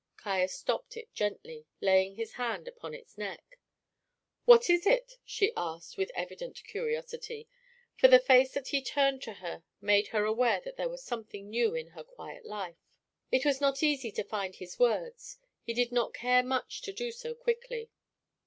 Caius stopped it gently, laying his hand upon its neck. "What is it?" she asked, with evident curiosity, for the face that he turned to her made her aware that there was something new in her quiet life. It was not easy to find his words; he did not care much to do so quickly.